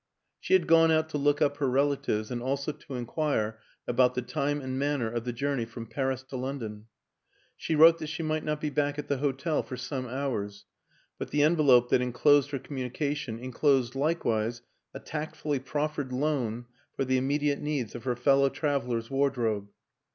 She had gone out to look up her relatives, and also to inquire about the time and manner of the journey from Paris to London; she wrote that she might not be back at the hotel for some hours, but the envelope that enclosed her communication inclosed likewise a tactfully prof fered loan for the immediate needs of her fellow traveler's wardrobe.